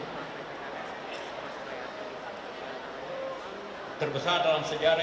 terbesar dalam sejarah indonesia sejak merdeka